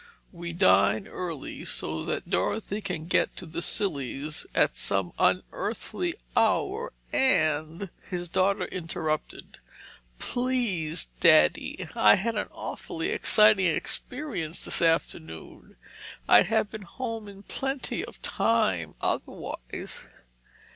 We dine early, so that Dorothy can get to the Sillies at some unearthly hour, and—" His daughter interrupted. "Please, Daddy. I had an awfully exciting experience this afternoon. I'd have been home in plenty of time, otherwise."